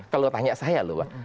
kalau tanya saya loh pak